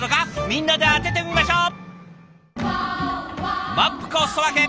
みんなで当ててみましょう！